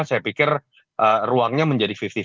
saya pikir ruangnya menjadi lima puluh lima puluh